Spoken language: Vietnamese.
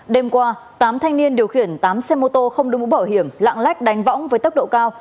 đêm qua tám thanh niên điều khiển tám xe mô tô không đưa mũ bảo hiểm lạng lách đánh võng với tốc độ cao